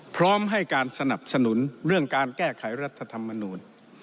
พร้อมให้การสนับสนุนเรื่องการแก้ไขรัฐธรรมนูล